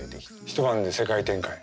一晩で世界展開。